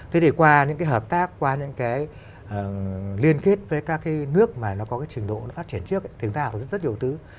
thế thì qua những cái hợp tác qua những cái liên kết với các cái nước mà nó có cái trình độ nó phát triển trước thì chúng ta học rất nhiều thứ